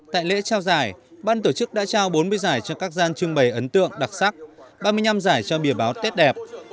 tại lễ trao giải ban tổ chức đã trao bốn mươi giải cho các gian trưng bày ấn tượng đặc sắc ba mươi năm giải cho bìa báo tốt đẹp